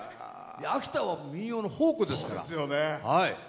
秋田は民謡の宝庫ですから。